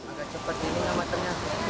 agak cepat ini sama ternyata